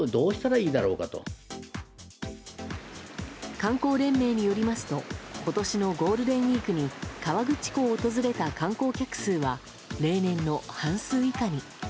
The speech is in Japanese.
観光連盟によりますと今年のゴールデンウィークに河口湖を訪れた観光客数は例年の半数以下に。